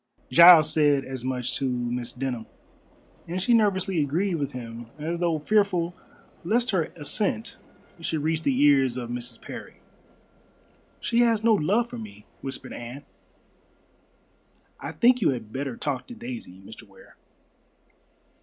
Giles said as much to Miss Denham, and she nervously agreed with him as though fearful lest her assent should reach the ears of Mrs. Parry. "She has no love for me," whispered Anne. "I think you had better talk to Daisy, Mr. Ware."